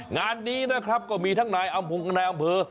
งานนี้นะครับก็มีทั้งนายอำเภอ